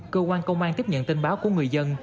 cơ quan công an tiếp nhận tin báo của người dân